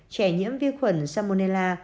trẻ nhiễm vi khuẩn salmonella